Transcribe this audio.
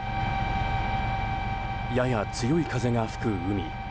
やや強い風が吹く海。